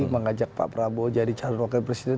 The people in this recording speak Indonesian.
mengajak pak prabowo jadi calon wakil presiden